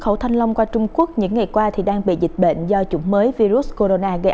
khẩu thanh long qua trung quốc những ngày qua đang bị dịch bệnh do chủng mới virus corona gây